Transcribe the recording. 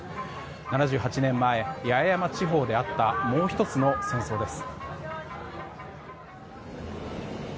７８年前、八重山地方であったもう１つの戦争です。